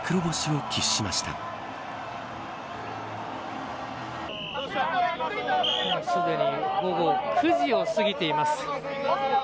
もうすでに午後９時を過ぎています。